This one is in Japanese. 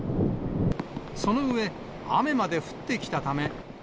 その上、雨まで降ってきたため。